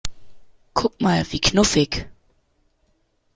Guck mal, wie knuffig!